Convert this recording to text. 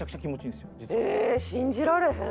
信じられへん。